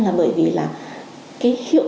là bởi vì là cái hiệu